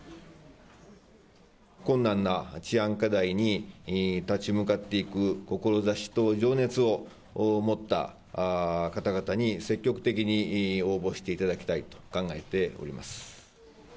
困難な治安課題に立ち向かっていく志と情熱を持った方々に、積極的に応募していただきたいと考えております。